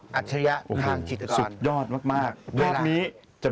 ไม่รู้ครับแต่อยากวาดแบบนี้ครับ